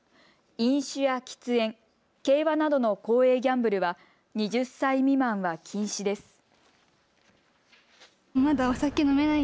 飲酒や喫煙、競馬などの公営ギャンブルは２０歳未満は禁止です。